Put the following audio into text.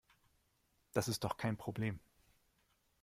Das ist doch kein Problem.